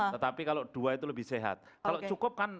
tetapi kalau dua anak itu lebih sehat tidak bisa dibantah ya pak ya